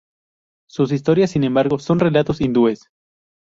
Sus historias, sin embargo, son relatos hindúes.